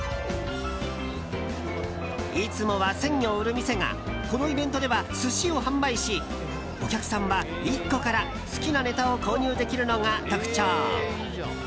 いつもは鮮魚を売る店がこのイベントでは寿司を販売しお客さんは１個から好きなネタを購入できるのが特徴。